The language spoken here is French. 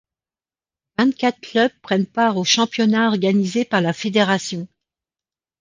Vingt-quatre clubs prennent part au championnat organisé par la fédération.